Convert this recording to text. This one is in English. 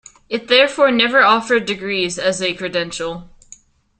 It therefore never offered degrees as a credential.